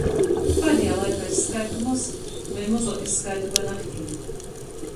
Pādejā laikā es skaitu moz, vēļ mozuok es skaitu pa naktim.